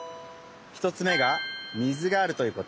１つめが水があるということ。